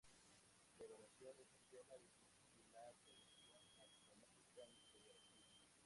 La evaluación es un tema difícil en la traducción automática interactiva.